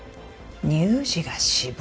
乳児が死亡？